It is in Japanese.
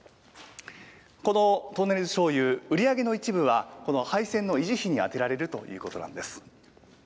このトンネルしょうゆ、売り上げの一部は、この廃線の維持費に充てられるということなんです。